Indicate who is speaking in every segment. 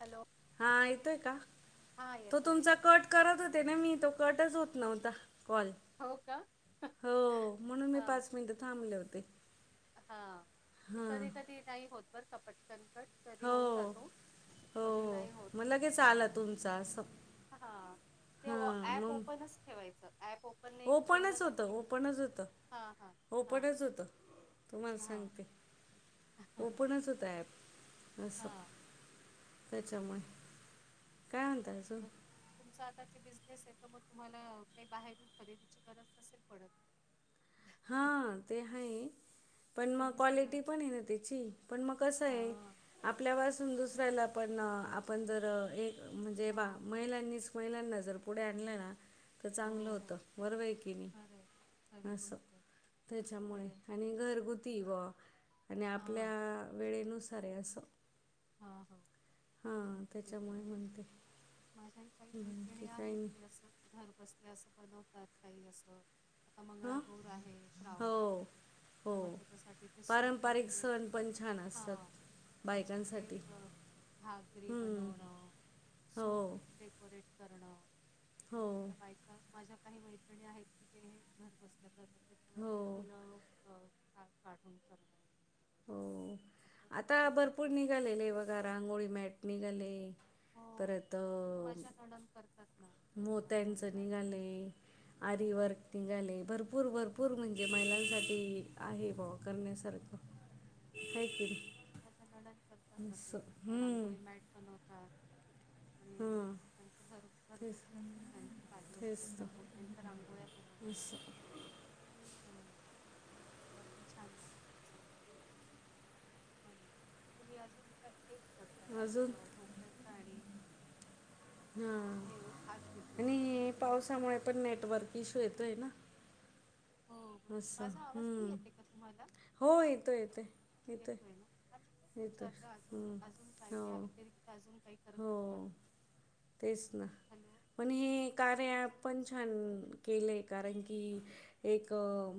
Speaker 1: Hello
Speaker 2: हा येतोय का?
Speaker 1: हां
Speaker 2: तो
Speaker 1: येतो
Speaker 2: तुमचा
Speaker 1: येतो
Speaker 2: कट करत होते ना मी तो कटच होत नव्हता कॉल.
Speaker 1: हो का?
Speaker 2: हो म्हणून मी पाच मिनिट थांबले होते.
Speaker 1: हा ते
Speaker 2: हां
Speaker 1: कधी कधी नाही होत बरं का पटकनकट. कधी होऊन
Speaker 2: हो.
Speaker 1: जातो कधी नाही होत.
Speaker 2: किती? झालं आहे तुमचा असं.
Speaker 1: हा ते
Speaker 2: हां
Speaker 1: ऍप
Speaker 2: मग
Speaker 1: ओपनच ठेवायचं ऍप ओप
Speaker 2: ओपनच होतं, ओपनच होतं,
Speaker 1: हां, हां, हां,
Speaker 2: ओपनच होतं. तुम्हाला
Speaker 1: हां.
Speaker 2: सांगते
Speaker 1: हां,
Speaker 2: ओपनच होता ॲप. असं त्याच्यामुळे
Speaker 1: बरोबर.
Speaker 2: काय? म्हणत अजून.
Speaker 1: मग तुमचा आता ते बिझनेस आहे तर मग तुम्हाला काही बाहेरून खरेदीची गरज नसेल पडत. हम्.
Speaker 2: हां ते आहे. पण मग
Speaker 1: तुम्ही सगळं
Speaker 2: क्वालिटी पण आहे ना त्याची पण मग कसं आहे.
Speaker 1: हां,
Speaker 2: आपल्यापासून दुसऱ्याला पण आपण जर एक म्हणजे
Speaker 1: हो,
Speaker 2: बा महिलांनीच. महिलांना जर पुढे आणलं ना. तर
Speaker 1: हो,
Speaker 2: चांगलं
Speaker 1: हो.
Speaker 2: होतं वरवै की मी
Speaker 1: खरं आहे. खरी
Speaker 2: असं.
Speaker 1: गोष्ट आहे. खरं
Speaker 2: त्याच्यामुळे
Speaker 1: आहे.
Speaker 2: आणि घरगुती वा आणि
Speaker 1: हां,
Speaker 2: आपल्या वेळेनुसार असं.
Speaker 1: हा हो.
Speaker 2: हा
Speaker 1: तेच ना.
Speaker 2: त्याच्यामुळे म्हणते.
Speaker 1: माझ्याही काही मैत्रिणी
Speaker 2: बाकी काही
Speaker 1: आहेत
Speaker 2: नाही.
Speaker 1: ते असं घरबसले असं बनवतात काही असं. आता मंगळा
Speaker 2: हां,
Speaker 1: गौर आहे
Speaker 2: हो.
Speaker 1: श्रावणात. तर
Speaker 2: हो.
Speaker 1: मग त्याच्यासाठी ते सूप
Speaker 2: पारंपरिक
Speaker 1: वगैरे
Speaker 2: सण पण छान
Speaker 1: हा.
Speaker 2: असतात
Speaker 1: त्याचे ते
Speaker 2: बायकांसाठी.
Speaker 1: घगरी
Speaker 2: हं.
Speaker 1: बनवणं सूप
Speaker 2: हो.
Speaker 1: डेकोरेट करणं. मग
Speaker 2: हो.
Speaker 1: त्या माझ्या काही मैत्रिणी आहेत कि ते घर बसल्या करतात
Speaker 2: हो.
Speaker 1: त्याच्यावरची फुलं का काढून करणं.
Speaker 2: हो
Speaker 1: असं
Speaker 2: आता
Speaker 1: ते
Speaker 2: भरपूर
Speaker 1: करतात.
Speaker 2: निघालेले वघा रांगोळी मॅट निघाले.
Speaker 1: हो
Speaker 2: परत अ,
Speaker 1: ते माझ्या नणंद करतात ना. रांगोळी
Speaker 2: मोत्यांचं
Speaker 1: मॅट.
Speaker 2: निघाले
Speaker 1: हो,
Speaker 2: आरिवर तिघाले भरपूर
Speaker 1: हो,
Speaker 2: भरपूर म्हणजे महिलांसाठी आहे भावा
Speaker 1: हो,
Speaker 2: करण्यासारखं. हाय की.
Speaker 1: माझं नणंद करतात ना
Speaker 2: असं.
Speaker 1: ते
Speaker 2: हं.
Speaker 1: रांगोळी मॅट बनवतात.
Speaker 2: हम.
Speaker 1: त्यांच घर घरगुती असत त्यांच चालू असतं
Speaker 2: तेच तर.
Speaker 1: त्या मोठ्यांच्या रांगोळ्या बनवतात.
Speaker 2: असं.
Speaker 1: हो ते आपण छान बनवतात सगळं. हो ना तुम्ही अजून का हेच.
Speaker 2: अजून.
Speaker 1: साडी.
Speaker 2: हा
Speaker 1: हाच बिझनेस करतात
Speaker 2: आणि
Speaker 1: का फक्त?
Speaker 2: पावसामुळे पण नेटवर्क इश्यू येतो आहे ना.
Speaker 1: हो, बरोबर.
Speaker 2: अस
Speaker 1: माझा आवाज नाही
Speaker 2: हम्म
Speaker 1: येत आहे का तुम्हाला?
Speaker 2: हो येतोय, येतोय, येतोय. येतोय
Speaker 1: विचारल अजून,
Speaker 2: हं.
Speaker 1: अजून काही घ्या
Speaker 2: हो.
Speaker 1: व्यतिरिक्त अजून काही. करतात का
Speaker 2: हो तेच ना.
Speaker 1: हॅलो
Speaker 2: पन हे कार्या ऍप पन छान केलंय कारण की? एक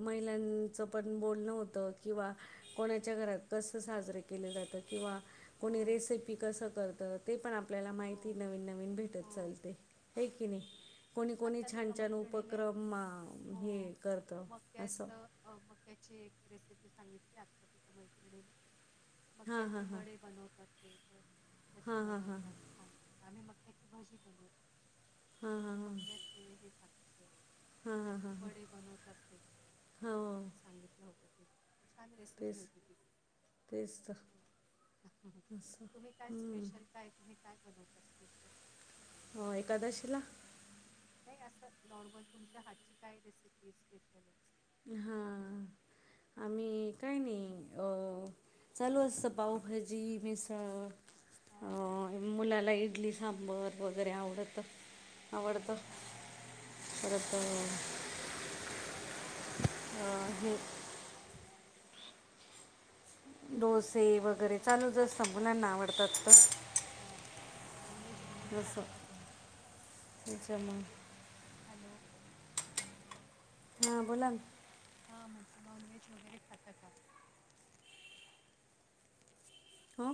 Speaker 2: महिलांचं पण बोलणं होतं किंवा. कोणाच्या घरात कसं साजरे केले जातं, किंवा
Speaker 1: हो
Speaker 2: कोणी रेसिपी कसं करत ते पण आपल्याला
Speaker 1: हो
Speaker 2: माहिती नवीन नवीन
Speaker 1: हो
Speaker 2: भेटत चालते
Speaker 1: हो
Speaker 2: हे की नाही.
Speaker 1: हो
Speaker 2: कोणी कोणी,
Speaker 1: आत्ताच
Speaker 2: छान
Speaker 1: एका
Speaker 2: छान
Speaker 1: मैत्रिणीने
Speaker 2: उपक्रम
Speaker 1: हो
Speaker 2: हे करतं असं.
Speaker 1: मक्याचं अ मक्याची एक रेसिपी सांगितली, आत्ताच एका मैत्रिणीने.
Speaker 2: हां हां
Speaker 1: मक्याचे
Speaker 2: हां
Speaker 1: वडे बनवतात ते तर कसे
Speaker 2: हां हां हां
Speaker 1: बनवतात? आ आम्ही मक्याची भजी बनवतो,
Speaker 2: हां हां हां
Speaker 1: तेबी मक्याचे हे सांगितलं
Speaker 2: हां हां हां
Speaker 1: वडे बनवतात ते
Speaker 2: हो
Speaker 1: सांगितलं होत. छान रेसिपी
Speaker 2: तेच
Speaker 1: होती ति पण.
Speaker 2: तेच तर
Speaker 1: हो तुम्ही काय
Speaker 2: हम्म.
Speaker 1: स्पेशल काय? तुम्ही काय बनवता स्पेशल.
Speaker 2: हो एकादशीला?
Speaker 1: नाही असं नॉर्मल तुमच्या हातची काय रेसिपी हे स्पेशलच.
Speaker 2: हां आम्ही काही नाही अ. चालू असतं पावभजी, मिसळ. अ
Speaker 1: हां.
Speaker 2: मुलाला इडली सांबर व वगैरे आवडत-आवडतं परत. [inaudible]
Speaker 1: हो, हो. अ,
Speaker 2: अं हे! डोसे
Speaker 1: नॉनव्हेज
Speaker 2: वगैरे चालूच असतं मुलांना आवडतात तं.
Speaker 1: हा नॉनव्हेज वगैरे
Speaker 2: जसं
Speaker 1: खाता का तुम्ही?
Speaker 2: त्याच्यामुळे
Speaker 1: हॅलो!
Speaker 2: हां बोला ना!
Speaker 1: हं म्हंटल नॉनव्हेज वगैरे खाता का?
Speaker 2: हं!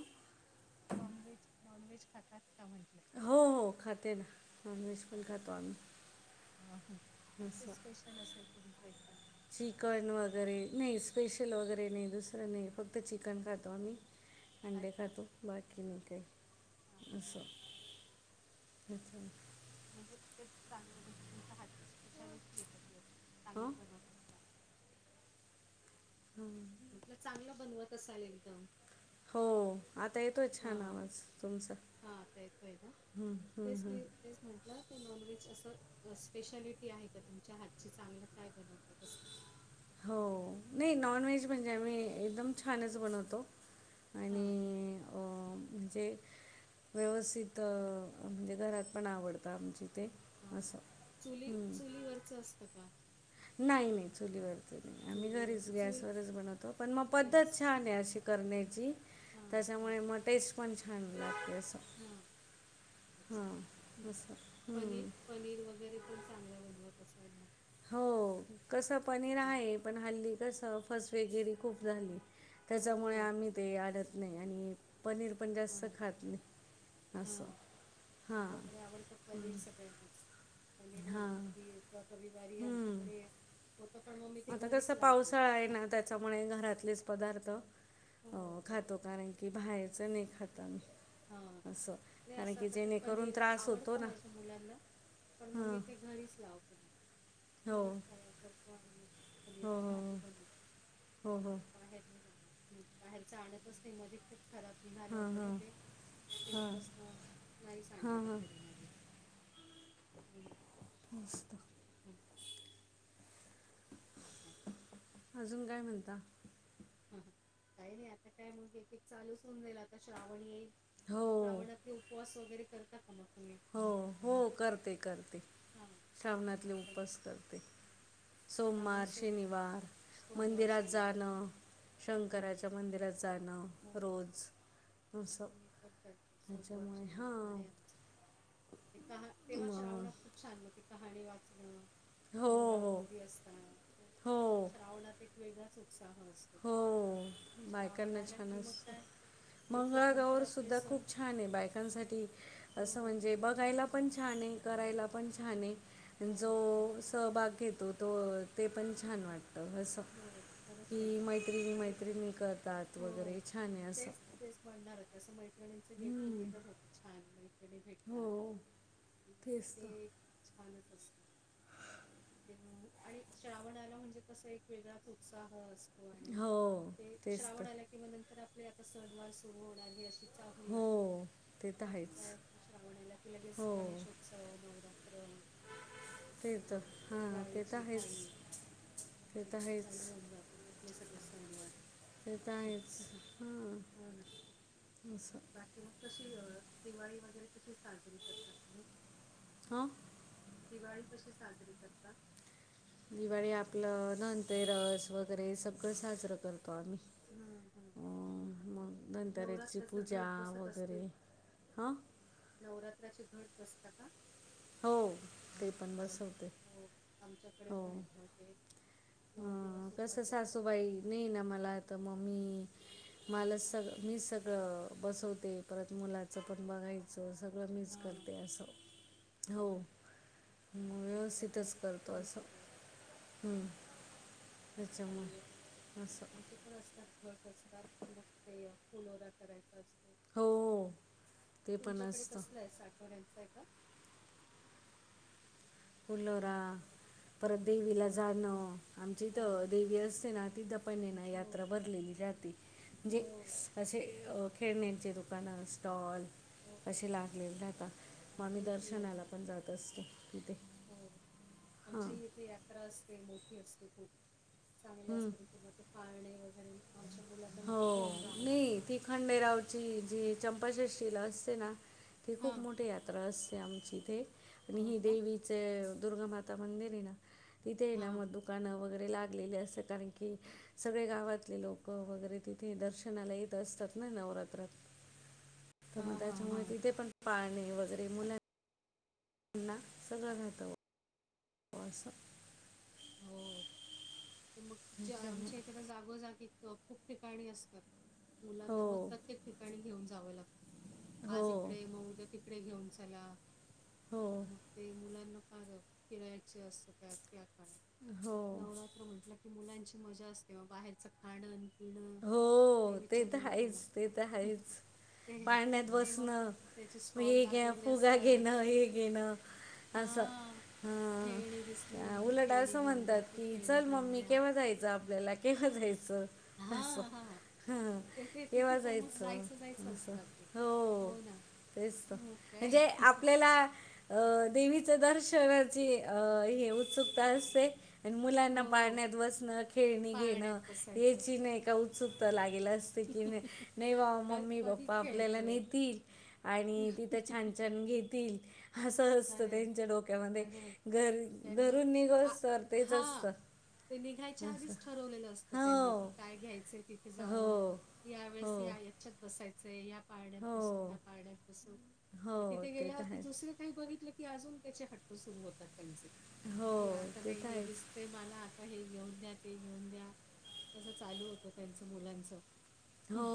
Speaker 1: नॉनव्हेज, नॉनव्हेज खातात का म्हटलं?
Speaker 2: हो हो खाते ना नॉन व्हेज पण
Speaker 1: खातात
Speaker 2: खातो आम्ही
Speaker 1: का? हां.
Speaker 2: असं.
Speaker 1: [unintelligible] असेल तुमचं एकदम.
Speaker 2: चिकन वगैरे नाही स्पेशल वगैरे नाही दुसरं नाही, फक्त चिकन खातो आम्ही. अंडे
Speaker 1: अच्छा.
Speaker 2: खातो बा बाकी कि मग काय
Speaker 1: हां, हां,
Speaker 2: असं.
Speaker 1: नाही म्हणजे एक चांगलं म्हणजे तुमच्या हातची स्पेशालिटी हे का ती अस चांगलं
Speaker 2: हं?
Speaker 1: बनवतात.
Speaker 2: [inaudible]
Speaker 1: म्हटलं चांगलं बनवत असाल एकदम.
Speaker 2: हो आता येतोय
Speaker 1: हा
Speaker 2: छान आवाज तुमचा
Speaker 1: हा आता येतोय ना
Speaker 2: हू हू
Speaker 1: तेच
Speaker 2: हू.
Speaker 1: मी तेच म्हटलं ते नॉनव्हेज असं. अ स्पेशालिटी आहे का तुमच्या हातची चांगलं काय बनवतात असं.
Speaker 2: हो नही नॉन व्हेज म्हणजे आमी एकदम छानच बनवतो.
Speaker 1: हा
Speaker 2: आणि अं जे. व्यवसित अ म्हणजे घरात पण आवडतं आमच्या ईथे.
Speaker 1: हा चुली-चुलीवरचं असतं का?
Speaker 2: नाही नाही चुलीवरच नाही आम्ही
Speaker 1: चुलीवर
Speaker 2: घरीच
Speaker 1: चूल
Speaker 2: गॅसवरच बनवतो, पण म पद्धत
Speaker 1: गॅस
Speaker 2: छान आहे अशी. करण्याची
Speaker 1: हा हा
Speaker 2: त्याच्यामुळे म, टेस्ट पण छान लागते. असं
Speaker 1: हा
Speaker 2: हा!
Speaker 1: अच्छा
Speaker 2: असं
Speaker 1: पनीर
Speaker 2: हम्म! !
Speaker 1: पनीर वगैरे पण, चांगल्या बनवत असाल मग
Speaker 2: हो कसं पनीर आहे, पण हल्ली कसं फसवेगिरी खूप झाली. त्याच्यामुळे
Speaker 1: हो
Speaker 2: आम्हीं ते, आडत नाही आणि पनीर पण जास्त
Speaker 1: हा
Speaker 2: खात नाही
Speaker 1: हा
Speaker 2: असं हां
Speaker 1: आमच्याकडे आवडतं पनीर सगळ्यांनाच पनीर
Speaker 2: हां
Speaker 1: म्हटलं की, त्यात रविवारी
Speaker 2: हम्म.
Speaker 1: आमच्याकडे होत पण मी ते
Speaker 2: आता कसं
Speaker 1: घरीच लावते
Speaker 2: पावसाळा आहे ना? त्याच्यामुळे घरातलेच पदार्थ
Speaker 1: हो
Speaker 2: अ
Speaker 1: हो
Speaker 2: खातो का नाही! की बाहेरचं नाही! खात आम्ही! !
Speaker 1: हा! ते असं आता ते पनीर!
Speaker 2: त्रास होतो
Speaker 1: आवडतं
Speaker 2: ना
Speaker 1: माझ्या मुलांना! ! पण मग
Speaker 2: हां
Speaker 1: मी, ते घरीच लावते. मग
Speaker 2: हो
Speaker 1: घरीच तयार करतो आणि मग
Speaker 2: हो
Speaker 1: पनीरची भाजी बनवत
Speaker 2: हो हो हो
Speaker 1: बाहेर नाही लावत बाहेरच आणतच नाही मध्ये खूप खराब निघालं
Speaker 2: हां
Speaker 1: होत न
Speaker 2: हां
Speaker 1: ते! !
Speaker 2: हां
Speaker 1: तेव्हापासन नाहीच आणलं
Speaker 2: हां हां
Speaker 1: बाहेरून आम्ही हो ना?
Speaker 2: मस्त! !
Speaker 1: ह्म! ! त [unintelligible] [unintelligible]
Speaker 2: अजून काय म्हणता?
Speaker 1: हं हं काही नाही आता काय मग बैठक चालूच, होऊन जाईल आता श्रावण येईल!
Speaker 2: हो
Speaker 1: श्रावणातले उपवास वगैरे करता का मग तुम्ही?
Speaker 2: हो! हो! करते करते
Speaker 1: हा
Speaker 2: श्रावणातले
Speaker 1: मी पण
Speaker 2: उपास करते!
Speaker 1: हो. श्रावण
Speaker 2: सोमवार!
Speaker 1: सोमवार
Speaker 2: शनिवार!
Speaker 1: सोमवार
Speaker 2: मंदिरात
Speaker 1: शनिवार
Speaker 2: जाणं
Speaker 1: हो हो
Speaker 2: शंकराच्या! मंदिरात जाणं
Speaker 1: हो हो हो.
Speaker 2: रोज! !
Speaker 1: मी पण करते सोमवार शनिवार
Speaker 2: हां
Speaker 1: आहे आमचा! ते तेव्हा
Speaker 2: मग
Speaker 1: श्रावणात खूप छान! मग ते कहाणी वाचणं!
Speaker 2: हो हो
Speaker 1: मंगळागौरी असतात.
Speaker 2: हो
Speaker 1: श्रावणात एक वेगळाच उत्साह असतो.
Speaker 2: हो
Speaker 1: श्रावण
Speaker 2: बायकना
Speaker 1: आला
Speaker 2: छान!
Speaker 1: की मग काय
Speaker 2: असत
Speaker 1: एक एक
Speaker 2: मंगळा
Speaker 1: नंतर
Speaker 2: गैर ा
Speaker 1: आपले
Speaker 2: सुद्धा
Speaker 1: सण
Speaker 2: खूप छान! आहे, बायकांसाठी
Speaker 1: हो
Speaker 2: असं
Speaker 1: हो
Speaker 2: म्हणजे
Speaker 1: हो
Speaker 2: बघायला! ! पण छान आहे करायला पण छान आहे
Speaker 1: हो,
Speaker 2: जो,
Speaker 1: हो,
Speaker 2: सहभाग घेतो. तो! ते पण छान वाटतंसं! !
Speaker 1: हो खरच! !
Speaker 2: की मैत्रिणी मैत्रिणी करतात.
Speaker 1: हो.
Speaker 2: वगैरे छान आहे असं!
Speaker 1: तेच, तेच म्हणणार होते, असं मैत्रिणींचं गेट
Speaker 2: हम्म.
Speaker 1: टुगेदर होतं छान मैत्रणी भेट
Speaker 2: हो तेच
Speaker 1: ते!
Speaker 2: तर !
Speaker 1: छानच असत तेव आणि! श्रावणाला म्हणजे तस एक! वेगळाच उत्साह असतो, आणि
Speaker 2: हो
Speaker 1: ते
Speaker 2: तेच तर
Speaker 1: श्रावणाला की! किंवा नंतर आपली आता, सणवार सुरू होणारी अशी! ! चाहूल
Speaker 2: हो
Speaker 1: लागते
Speaker 2: ते तर
Speaker 1: मग, काय
Speaker 2: आहेच
Speaker 1: श्रावणाला कि लगेच गणेश हो! ! - स नवरात्र! !
Speaker 2: ते तर हा! ते तर आहेच! !
Speaker 1: केत चालू होऊन जातात. आपले सगळे सण वार! !
Speaker 2: तेेत! आहेच हां असं! !
Speaker 1: किंवा कशी दिवाळी, वगैरे कशी साजरी करता तुम्ही! !
Speaker 2: हा! !
Speaker 1: दिवाळी कशी साजरी करता?
Speaker 2: दिवाळी आपलं धन रस वगैरे सगळं साजरं करतो आम्ही
Speaker 1: हम्म, हम्म,
Speaker 2: अ
Speaker 1: हम्म.
Speaker 2: मग धनतेरसची
Speaker 1: नवरात्राचं
Speaker 2: पूजा
Speaker 1: घट बसत असते
Speaker 2: वगैरे हा
Speaker 1: नवरात्राचे घट बसता का?
Speaker 2: हो ते पण
Speaker 1: घट
Speaker 2: बसवते.
Speaker 1: हो आमच्याकडे
Speaker 2: हो
Speaker 1: पण आहे घट आहे
Speaker 2: अ
Speaker 1: नऊ दिवस
Speaker 2: कस
Speaker 1: उपवास असतात
Speaker 2: सासूबाई नाहीये ना मला तर मग मी मला सग मीच सगळं बसवते परत मुलाचं पण बघायचं. च सगळं मीच
Speaker 1: हां
Speaker 2: करते असं हो
Speaker 1: अरे वा.
Speaker 2: म
Speaker 1: पण सगळं जम
Speaker 2: व्यवस्थितच करतो असं
Speaker 1: जमतं बुवा
Speaker 2: हम्म
Speaker 1: चांगल अजून पण असतात घट असतात मग ते फुलोरा करायचा असतो.
Speaker 2: हो ते पण
Speaker 1: तुमच्याकडे
Speaker 2: असतं
Speaker 1: कसला आहे साठवड्यांचं आहे का?
Speaker 2: फुलोरा परत देवीला जाणं. आमची इथ
Speaker 1: हां
Speaker 2: देवी असते ना तिथ पण ये ना
Speaker 1: हो
Speaker 2: यात्रा भर ली जातेे म्हणजे
Speaker 1: हो
Speaker 2: असे खेळण्यांचे दुकान स्टॉल
Speaker 1: हो
Speaker 2: असे लागलेले राहता मग आम्ही
Speaker 1: आमच्या
Speaker 2: दर
Speaker 1: इथेही
Speaker 2: सणाला
Speaker 1: असतात
Speaker 2: पण जात असतो तिथे
Speaker 1: हो आमच्याही
Speaker 2: हां
Speaker 1: येथे यात्रा असते मोठी असते खूप चांगले असत तिथे मग ते पाळणे वगैरे आमच्या मुलाना
Speaker 2: हो.
Speaker 1: घेऊन जावं
Speaker 2: नाही
Speaker 1: लागतं.
Speaker 2: ती खंडेरावची जी चंपाषष्ठीला असते ना ती
Speaker 1: हा
Speaker 2: खूप मोठी यात्रा असते आमची इथे आणि
Speaker 1: हो
Speaker 2: हि
Speaker 1: का?
Speaker 2: देवी दुर्गामाता मंदिर आहे ना तिथे आहे ना
Speaker 1: हां.
Speaker 2: मग दुकान वगैरे लाग गेले असते कारण की सगळे गावातले लोक वगैरे तिथे दर्शनाला येत असतात ना नवरात्रात तर मग
Speaker 1: हां, हां,
Speaker 2: त्याच्यामुळे
Speaker 1: हां.
Speaker 2: तिथे पण पाणी वगैरे मुला ना सगळं राहत. [unintelligible]
Speaker 1: हो. मग ज आमच्या
Speaker 2: त्याच्यामुळे.
Speaker 1: इथ जागोजागी खूप ठिकाणी असतात. मुलांना मग
Speaker 2: हो.
Speaker 1: प्रत्येक ठिकाणी घेऊन जावं लागतं. आज
Speaker 2: हो.
Speaker 1: इकडे मग उद्या तिकडे घेऊन चला.
Speaker 2: हो.
Speaker 1: मग ते मुलांना फार फिरायचे असत त्यात त्या काळात
Speaker 2: हो.
Speaker 1: नवरात्र म्हटलं की मुलांची मजा असते बाहेरच खाण पिण
Speaker 2: हो ते तर आहेच ते तर आहेच
Speaker 1: ते
Speaker 2: पाळण्यात
Speaker 1: ते मग
Speaker 2: बसणं
Speaker 1: त्याचे
Speaker 2: म
Speaker 1: स्टॉल
Speaker 2: हे घ्या
Speaker 1: लागलेले
Speaker 2: फुगा
Speaker 1: असतात.
Speaker 2: घेन हे घेन अस
Speaker 1: हां. खेळणी दिसली
Speaker 2: अ
Speaker 1: ही
Speaker 2: उलट
Speaker 1: खेळणी
Speaker 2: अस
Speaker 1: घेऊन
Speaker 2: म्हणतात
Speaker 1: द्या ती
Speaker 2: की
Speaker 1: खेळणी
Speaker 2: चल
Speaker 1: घेऊन
Speaker 2: मम्मी
Speaker 1: द्या
Speaker 2: केव्हा जायचं आपल्याला केव्हा जायचं असं
Speaker 1: हां हां
Speaker 2: ह
Speaker 1: ते ते
Speaker 2: केव्हा
Speaker 1: तिथे तर मग
Speaker 2: जायचं
Speaker 1: जायचं
Speaker 2: अस
Speaker 1: असतं अगदी
Speaker 2: हो. तेच तर
Speaker 1: मग काय
Speaker 2: म्हणजे आपल्याला अ देवीच दर्शनाची हे उत्सुकता असते. आणि मुलांना
Speaker 1: हो
Speaker 2: पाळण्यात बसणं खेळणी घेणं
Speaker 1: पाळण्यात बसायचं
Speaker 2: याची नाही का उत्सुकता लागेलेली अस ते की नाही बाबा
Speaker 1: क
Speaker 2: मम्मी
Speaker 1: कधी
Speaker 2: पप्पा आपल्याला
Speaker 1: खेळतोय
Speaker 2: नेतील. आणि तिथं छान छान घेतील असं असतं
Speaker 1: खरंय,
Speaker 2: त्यांच्या डोक्यांमध्यें
Speaker 1: खरंय.
Speaker 2: घरी
Speaker 1: त्यांना
Speaker 2: घरूंन निघं
Speaker 1: आ
Speaker 2: असतं तेचं
Speaker 1: हां,
Speaker 2: असतं
Speaker 1: ते निघांयच्या
Speaker 2: असं
Speaker 1: आधींच ठरवलेलं असतं
Speaker 2: हो
Speaker 1: त्यांनी कि कायं घ्यायचंय तिथे नं
Speaker 2: हो
Speaker 1: यां
Speaker 2: हो
Speaker 1: वेळेस यां यांच्यात बसायचं पड्यांत बसं
Speaker 2: हो
Speaker 1: त्यां पड्यांत बसूंन
Speaker 2: हो
Speaker 1: मंग तिथे
Speaker 2: ते तर
Speaker 1: गेल्यांवरती
Speaker 2: आहे
Speaker 1: दुसरी कांहीं बघितलं की अजूंन त्यांचे हट्टं सुरूं होतांत त्यांचे
Speaker 2: हो
Speaker 1: की आंता
Speaker 2: ते
Speaker 1: नाहीं
Speaker 2: तर
Speaker 1: हे
Speaker 2: आहेच
Speaker 1: दिसतं ते बांला आंता हे घेऊंन द्यां ते घेऊंन द्यां तसं चालूं होतं त्यांचं मुलांचं
Speaker 2: हो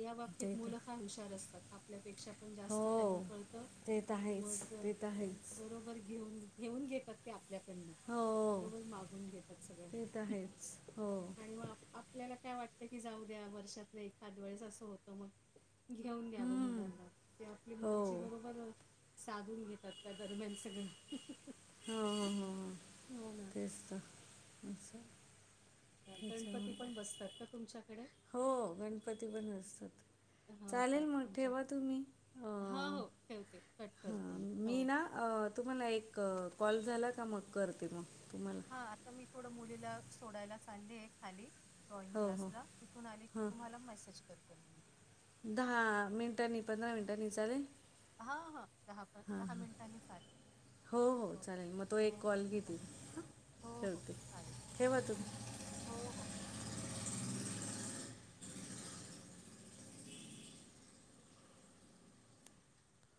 Speaker 1: यां
Speaker 2: ते
Speaker 1: बांबतीत
Speaker 2: तर
Speaker 1: मुलं फांर हुशांर असतांत आपल्यांपेक्षा पणं जास्तं त्यांना
Speaker 2: हो
Speaker 1: कळतं
Speaker 2: ते तर आहेच
Speaker 1: मंग
Speaker 2: ते तर आहेच
Speaker 1: बरोबर घेऊंन घेऊंन घेतांत ते आपल्यांकडनं
Speaker 2: हो
Speaker 1: बरोबर मागूंन घेतांत सगळं
Speaker 2: ते तर आहेच हो
Speaker 1: आणि मंग आपल्यांला कायं वाटतं की जाऊं द्यां वर्षात नाहीं एखादं वेळेस असं होतं मंग घेऊंन द्यावं
Speaker 2: हम्म.
Speaker 1: मुलांना ते आपली
Speaker 2: हो
Speaker 1: मलजी बरोबर साधूंन घेतांत त्यां दरम्यांन सगळं
Speaker 2: हो हो
Speaker 1: हो ना
Speaker 2: तेचं तरं
Speaker 1: गणपती पणं बसतांत कां तुमच्यांकडे
Speaker 2: हो गणपती पण असतात
Speaker 1: हो कां
Speaker 2: चालेल मग
Speaker 1: आमचं
Speaker 2: ठेवा तुम्ही
Speaker 1: हां
Speaker 2: अं,
Speaker 1: हो ठेवते कट करते
Speaker 2: हां मी
Speaker 1: हो
Speaker 2: नां तुम्हांला एक कॉल झालायं कां मंग करते मंग तुम्हांला
Speaker 1: हां आंता मी थोडं मुलीलां सोडांयला चाललीय खांली ड्रॉइंग
Speaker 2: हो हो
Speaker 1: क्लांसला तिथूंन आले की
Speaker 2: हां
Speaker 1: तुम्हांला मेसेज करते मगी.
Speaker 2: दहा मिनटांनी पंधरा मिनटांनी चालेल.
Speaker 1: हां हां. दहा प
Speaker 2: हां
Speaker 1: दहा
Speaker 2: हां
Speaker 1: मिनिटांनी चालेल.
Speaker 2: हो हो
Speaker 1: ओके
Speaker 2: चालेल मंग तो
Speaker 1: हो
Speaker 2: एक
Speaker 1: हो
Speaker 2: कॉल घेे-
Speaker 1: हो हो हो
Speaker 2: ठेवती
Speaker 1: चालेल
Speaker 2: ठेव तुम्हीं.
Speaker 1: हो हो कां.